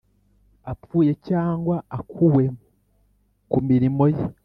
apfuye cyangwa akuwe ku mirimo ye